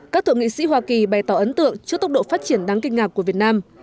các thượng nghị sĩ hoa kỳ bày tỏ ấn tượng trước tốc độ phát triển đáng kinh ngạc của việt nam